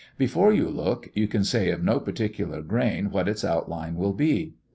Before you look you can say of no particular grain what its outline will be.